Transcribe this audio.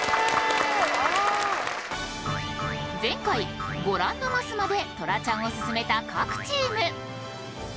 前回ご覧のマスまで虎ちゃんを進めた各チーム。